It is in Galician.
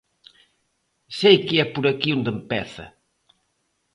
Sei que é por aquí onde empeza.